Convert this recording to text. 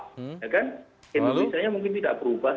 indonesia mungkin tidak berubah